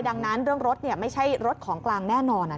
ดังนั้นเรื่องรถไม่ใช่รถของกลางแน่นอน